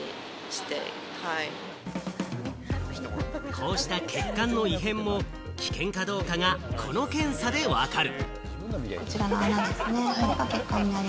こうした血管の異変も危険かどうかが、この検査で分かる。